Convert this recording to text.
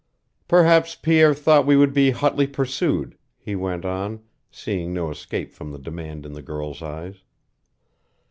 "Perhaps Pierre thought we would be hotly pursued," he went on, seeing no escape from the demand in the girl's eyes.